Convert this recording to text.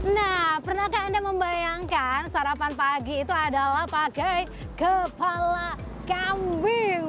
nah pernahkah anda membayangkan sarapan pagi itu adalah pakai kepala kambing